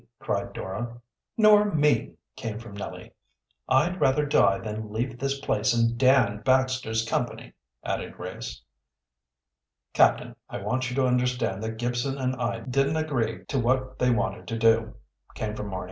cried Dora. "Nor me!" came from Nellie. "I'd rather die than leave this place in Dan Baxter's company," added Grace. "Captain, I want you to understand that Gibson and I didn't agree to what they wanted to do," came from Marny.